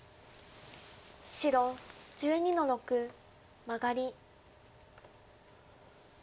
白１２の六マガリ。